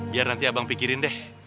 biar nanti abang pikirin deh